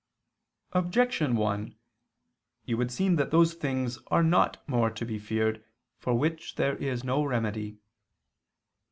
Objection 1: It would seem that those things are not more to be feared, for which there is no remedy.